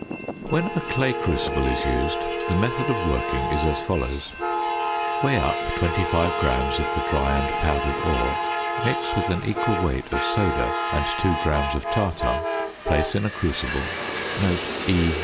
When a clay crucible is used, the method of working is as follows: Weigh up 25 grams of the dry and powdered ore, mix with an equal weight of "soda" and 2 grams of tartar; place in a crucible (E.